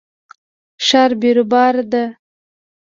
ښار بیروبار ده